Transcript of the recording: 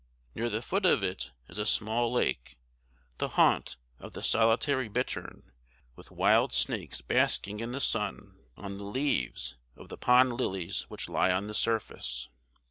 Near the foot of it is a small lake, the haunt of the solitary bittern, with water snakes basking in the sun on the leaves of the pond lilies which lie on the surface.